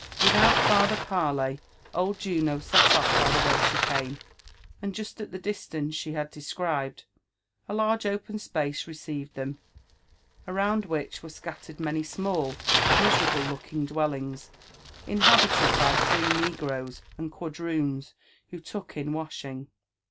Without farther parley, old Juno set off by the way she came; and just at the distance she had described, a large open space received them, around which wore scattered many small, miserable looking dwellings, inhabited by free negroes and quadroons who took in washing.